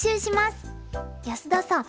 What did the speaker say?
安田さん